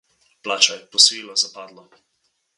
Plačaj, posojilo je zapadlo.